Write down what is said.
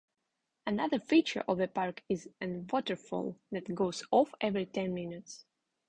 Another feature of the park is an waterfall that goes off every ten minutes.